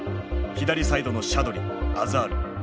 左サイドのシャドリアザール。